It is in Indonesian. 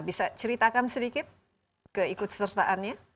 bisa ceritakan sedikit keikut sertaannya